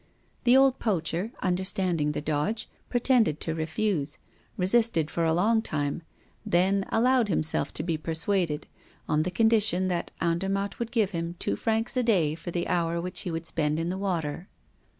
The old poacher, understanding the dodge, pretended to refuse, resisted for a long time, then allowed himself to be persuaded, on the condition that Andermatt would give him two francs a day for the hour which he would spend in the water.